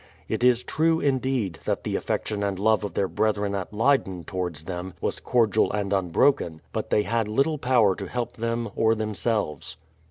It is true, indeed, that the affection and love of their brethren at Leyden towards them was cordial and unbroken; but they had little power to help them or themselves.